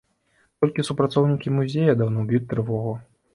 Толькі супрацоўнікі музея даўно б'юць трывогу.